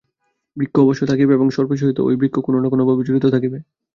বৃক্ষ অবশ্যই থাকিবে এবং সর্পের সহিত ঐ বৃক্ষ কোন-না-কোন ভাবে জড়িত থাকিবে।